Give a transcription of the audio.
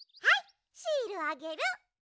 はいシールあげる！